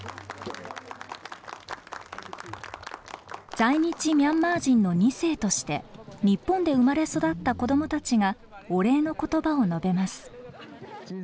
在日ミャンマー人の２世として日本で生まれ育った子供たちがお礼の言葉を述べます。